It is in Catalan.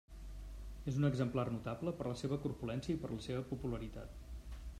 És un exemplar notable per la seva corpulència i per la seva popularitat.